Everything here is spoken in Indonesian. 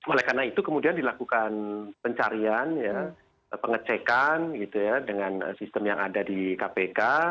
oleh karena itu kemudian dilakukan pencarian pengecekan gitu ya dengan sistem yang ada di kpk